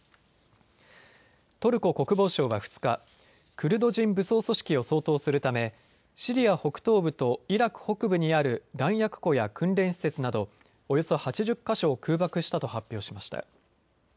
トルコ国防省は２日、クルド人武装組織を掃討するためシリア北東部とイラク北部にある弾薬庫や訓練施設などおよそ８０か所を空爆したと発表しました。